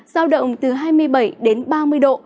giao động từ hai mươi bảy ba mươi độ